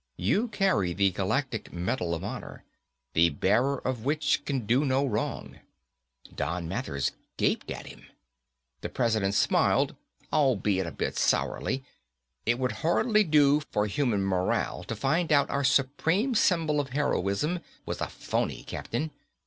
You carry the Galactic Medal of Honor, the bearer of which can do no wrong." Don Mathers gaped at him. The President smiled at him, albeit a bit sourly. "It would hardly do for human morale to find out our supreme symbol of heroism was a phoney, Captain.